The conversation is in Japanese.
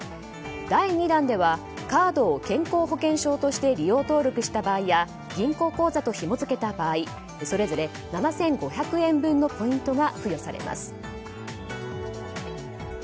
第２弾ではカードを健康保険証として利用登録した場合や銀行口座とひも付けた場合それぞれ７５００円分のポイントが付与されます。